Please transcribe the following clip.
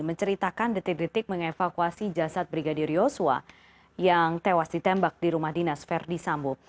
menceritakan detik detik mengevakuasi jasad brigadir yosua yang tewas ditembak di rumah dinas verdi sambo